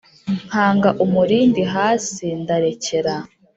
Nkanga umurindi hasi, ndarekera